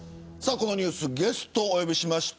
このニュースゲストをお呼びしました。